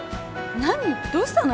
何どうしたの？